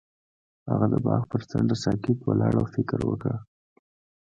هغه د باغ پر څنډه ساکت ولاړ او فکر وکړ.